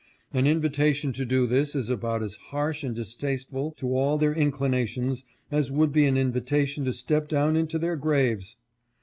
An invi tation to do this is about as harsh and distasteful to all their inclina tions as would be an invitation to step down into their graves.